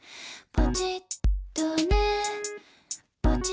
「ポチッとね」